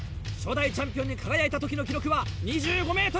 初代チャンピオンに輝いたときの記録は２５ｍ！